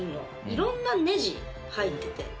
色んなネジ入ってて。